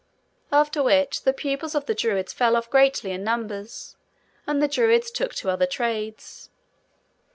After which, the pupils of the Druids fell off greatly in numbers, and the Druids took to other trades.